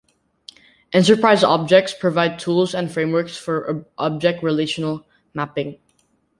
Enterprise Objects provides tools and frameworks for object-relational mapping.